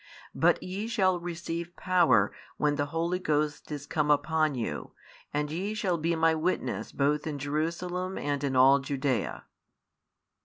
But ye shall receive power, when the Holy Ghost is come upon you; and ye shall be My witnesses both in Jerusalem and in all Judea.